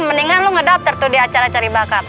mendingan lu ngedaftar tuh di acara cari bakat